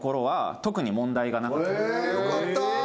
よかった。